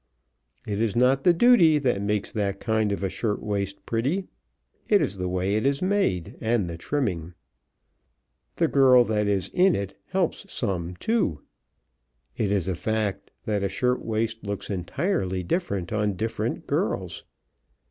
It is not the duty that makes that kind of a shirt waist pretty; it is the way it is made, and the trimming. The girl that is in it helps some, too. It is a fact that a shirt waist looks entirely different on different girls.